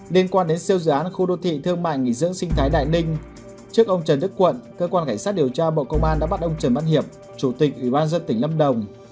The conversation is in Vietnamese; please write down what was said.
liên quan đến siêu dự án khu đô thị thương mại nghỉ dưỡng sinh thái đại ninh trước ông trần đức quận cơ quan cảnh sát điều tra bộ công an đã bắt ông trần văn hiệp chủ tịch ủy ban dân tỉnh lâm đồng